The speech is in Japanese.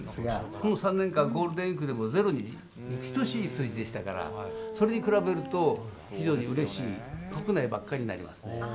この３年間、ゴールデンウィークでもゼロに等しい数字でしたから、それに比べると非常にうれしい。